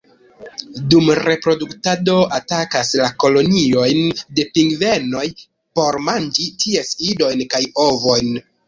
Dum reproduktado atakas la koloniojn de pingvenoj por manĝi ties idojn kaj ovojn.